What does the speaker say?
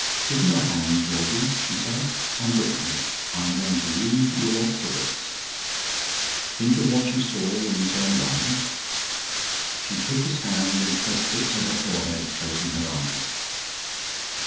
"Give me your hand, Georgie," she said, "and look at me. I'm going to read your thoughts. Think of what you saw when you turned round." She took his hand and pressed it to her forehead, closing her eyes.